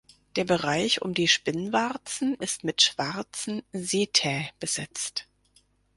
Der Bereich um die Spinnwarzen ist mit schwarzen Setae besetzt.